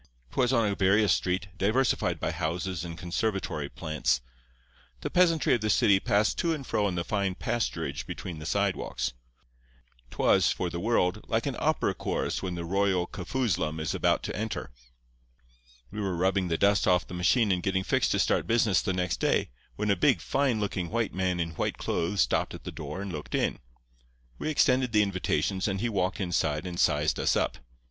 'Twas on a various street, diversified by houses and conservatory plants. The peasantry of the city passed to and fro on the fine pasturage between the sidewalks. 'Twas, for the world, like an opera chorus when the Royal Kafoozlum is about to enter. "We were rubbing the dust off the machine and getting fixed to start business the next day, when a big, fine looking white man in white clothes stopped at the door and looked in. We extended the invitations, and he walked inside and sized us up.